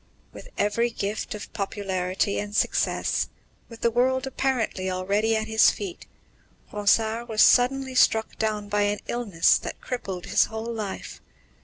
With every gift of popularity and success, with the world apparently already at his feet, Ronsard was suddenly struck down by an illness that crippled his whole life.